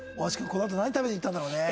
このあと何食べに行ったんだろうね？